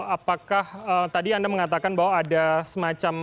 apakah tadi anda mengatakan bahwa ada semacam